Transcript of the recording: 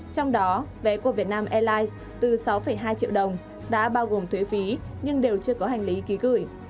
trong đó vé của vietnam airlines từ sáu hai triệu đồng đã bao gồm thuế phí nhưng đều chưa có hành lý ký gửi